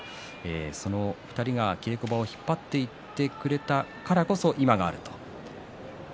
その２人が稽古場を引っ張ってくれたから今がある。